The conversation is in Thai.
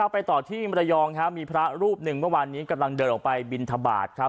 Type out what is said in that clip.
ไปต่อที่มรยองครับมีพระรูปหนึ่งเมื่อวานนี้กำลังเดินออกไปบินทบาทครับ